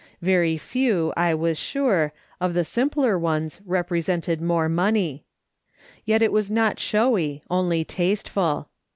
Very few, I was sure, of the simpler ones represented more money. Yet it was not showy, only tasteful.